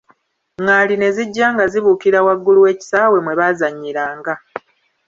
Ngaali ne zijja nga zibukira wagulu w'ekisaawe mwe baazanyira nga.